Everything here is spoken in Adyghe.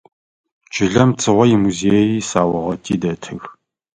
Чылэм Цыгъо имузеий исаугъэти дэтых.